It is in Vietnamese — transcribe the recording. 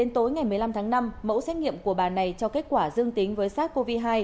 trách nghiệm của bà này cho kết quả dương tính với sars cov hai